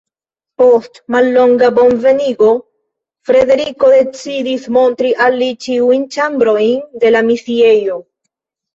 Post mallonga bonvenigo Frederiko decidis montri al li ĉiujn ĉambrojn de la misiejo.